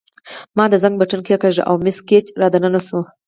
ما د زنګ بټن کښېکاږه او مس ګېج را دننه شوه.